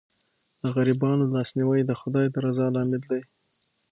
د غریبانو لاسنیوی د خدای د رضا لامل دی.